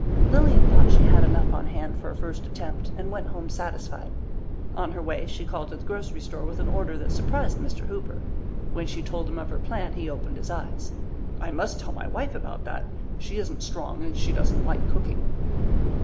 Lilian thought she had enough on hand for a first attempt and went home satisfied. On her way she called at the grocery store with an order that surprised Mr. Hooper. When she told him of her plan he opened his eyes. "I must tell my wife about that. She isn't strong and she doesn't like cooking."